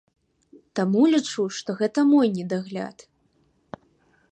Таму лічу, што гэта мой недагляд.